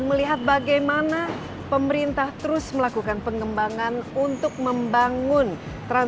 pertama perjalanan ke jakarta